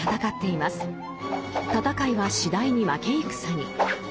戦いは次第に負け戦に。